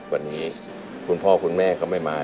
วันนี้คุณพ่อคุณแม่ก็ไม่มา